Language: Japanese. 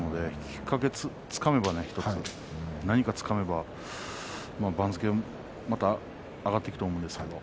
きっかけをつかめば何かつかめば番付はまだ上がっていくと思います。